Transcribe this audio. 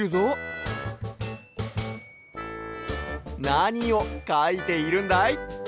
なにをかいているんだい？